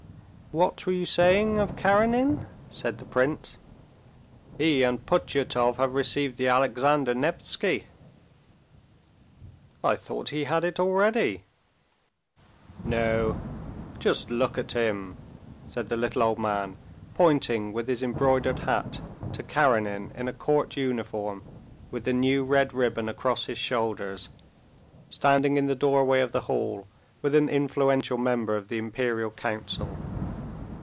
"What were you saying of Karenin?" said the prince. "He and Putyatov have received the Alexander Nevsky." "I thought he had it already." "No. Just look at him," said the little old man, pointing with his embroidered hat to Karenin in a court uniform with the new red ribbon across his shoulders, standing in the doorway of the hall with an influential member of the Imperial Council.